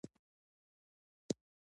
هغوی د واک د بنسټ برخه وه.